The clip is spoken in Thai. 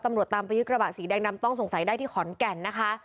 ตามไปยึดกระบะสีแดงดำต้องสงสัยได้ที่ขอนแก่นนะคะ